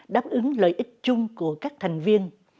đáp ứng lợi ích chung của các thành viên